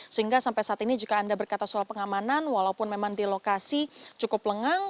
sehingga sampai saat ini jika anda berkata soal pengamanan walaupun memang di lokasi cukup lengang